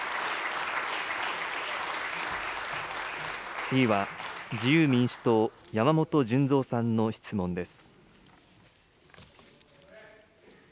次は自由民主党、山本順三さんの質問です。